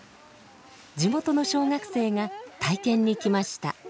地元の小学生が体験に来ました。